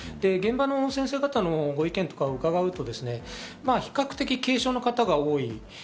現場の先生方の意見を伺うと、比較的軽症の方が多い。